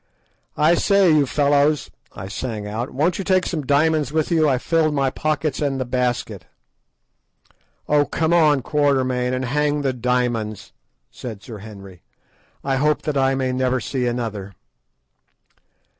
"I say, you fellows," I sang out, "won't you take some diamonds with you? I've filled my pockets and the basket." "Oh, come on, Quatermain! and hang the diamonds!" said Sir Henry. "I hope that I may never see another."